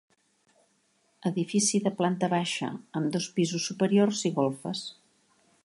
Edifici de planta baixa amb dos pisos superiors i golfes.